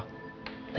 terima kasih pak